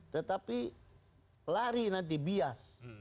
tetapi lari nanti bias